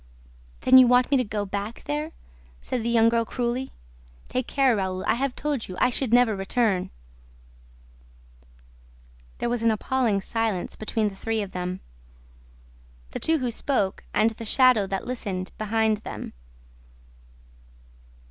"Then you want me to go back there?" said the young girl cruelly. "Take care, Raoul; I have told you: I should never return!" There was an appalling silence between the three of them: the two who spoke and the shadow that listened, behind them.